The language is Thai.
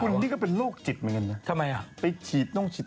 ครูนี่ก็เป็นโรคจิตเหมือนกันเนอะไปฉีดนม